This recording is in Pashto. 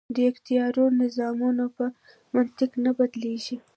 دیکتاتوري نظامونه په منطق نه بدلیږي.